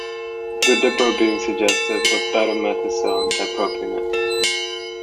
The Dipro being suggestive of betamethasone dipropionate.